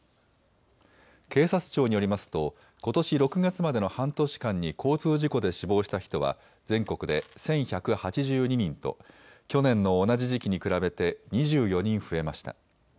警察庁によりますと、ことし６月までの半年間に交通事故で死亡した人は全国で１１８２人と去年の同じ時期に比べて２４人増えました。